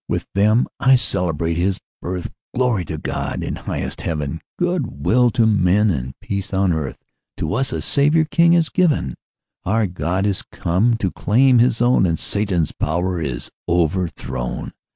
With them I celebrate His birth Glory to God, in highest Heaven, Good will to men, and peace on earth, To us a Saviour king is given; Our God is come to claim His own, And Satan's power is overthrown!